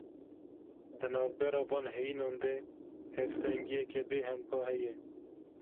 Di navbera van heyînan de hevsengiyeke bêhempa heye.